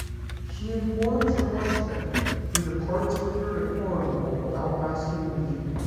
She informs her husband, who departs with her to Cornwall without asking leave.